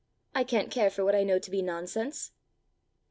I can't care for what I know to be nonsense!"